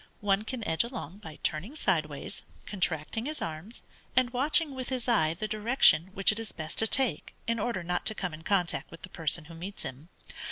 One can edge along by turning sideways, contracting his arms, and watching with his eye the direction which it is best to take in order not to come in contact with the person who meets him.